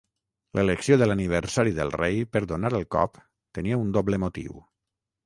L'elecció de l'aniversari del rei per donar el cop tenia un doble motiu.